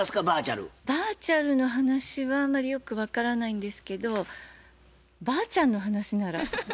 バーチャルの話はあんまりよく分からないんですけどばあちゃんの話なら。